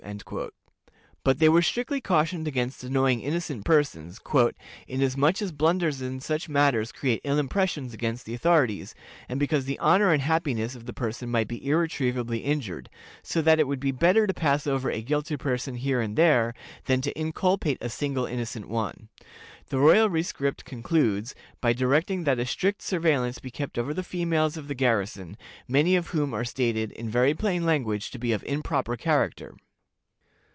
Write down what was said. But they were strictly cautioned against annoying innocent persons, "inasmuch as blunders in such matters create ill impressions against the authorities, and because the honor and happiness of the person might be irretrievably injured, so that it would be better to pass over a guilty person here and there, than to inculpate a single innocent one." The royal rescript concludes by directing that a strict surveillance be kept over the females of the garrison, many of whom are stated, in very plain language, to be of improper character.